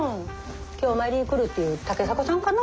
今日お参りに来るっていう竹迫さんかな？